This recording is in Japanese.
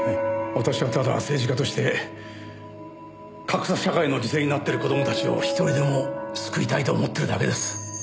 私はただ政治家として格差社会の犠牲になっている子供たちを一人でも救いたいと思っているだけです。